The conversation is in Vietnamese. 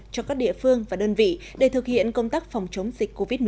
cho các địa phương và đơn vị để thực hiện công tác phòng chống dịch covid một mươi chín